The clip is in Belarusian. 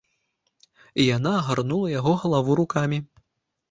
І яна агарнула яго галаву рукамі.